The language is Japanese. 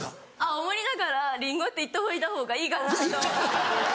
青森だからリンゴって言っておいたほうがいいがなと思って。